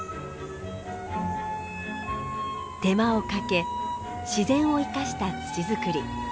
手間をかけ自然を生かした土づくり。